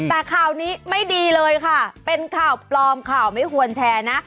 แต่ข่าวนี้ไม่ดีเลยค่ะเป็นข่าวปลอมข่าวไม่ควรแชร์นะ